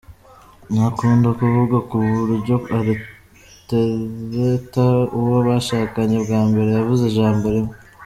Ntakunda kuvuga, ku buryo atereta uwo bashakanye bwa mbere yavuze ijambo rimwe.